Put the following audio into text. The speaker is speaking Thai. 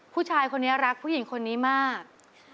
ผู้ชายคนนี้รักผู้หญิงคนนี้มาก